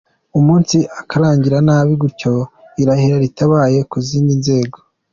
Umunsi ukarangira nabi gutyo irahira ritabaye ku zindi nzego.